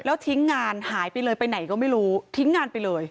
แล้วทิ้งงานหายไปเลยไปไหนก็ไม่รู้ทิ้งงานไปเลย